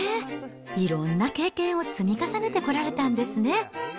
いろんな経験を積み重ねてこられたんですね。